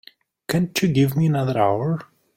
Can't you give me another hour?